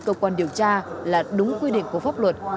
cơ quan điều tra là đúng quy định của pháp luật